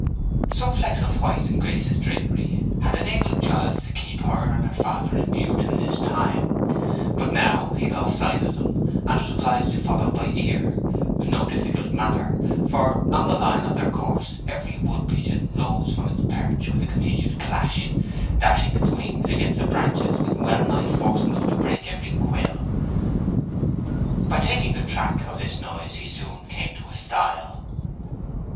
Some flecks of white in Grace's drapery had enabled Giles to keep her and her father in view till this time; but now he lost sight of them, and was obliged to follow by ear—no difficult matter, for on the line of their course every wood pigeon rose from its perch with a continued clash, dashing its wings against the branches with wellnigh force enough to break every quill. By taking the track of this noise he soon came to a stile.